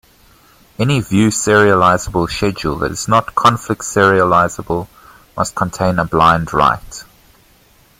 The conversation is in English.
Any view serializable schedule that is not conflict serializable must contain a blind write.